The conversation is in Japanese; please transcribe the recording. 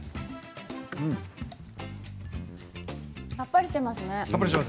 さっぱりしていますね。